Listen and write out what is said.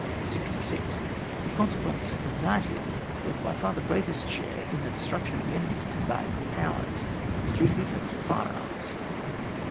66. The consequence of that is, that by far the greatest share in the des truction of the enemy*s combatant powers is due to the effect of fire arms.